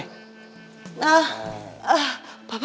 eh eh papa